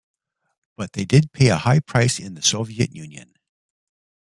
But they did pay a high price in the Soviet Union.